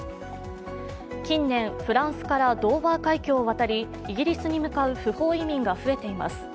近年、フランスからドーバー海峡を渡りイギリスに向こう不法移民が増えています。